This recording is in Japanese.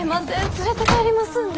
連れて帰りますんで。